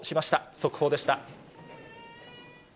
速報でした。